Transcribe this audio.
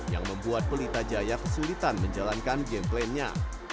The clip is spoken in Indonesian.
yang membuat pelita jaya kesulitan menjalankan game plan nya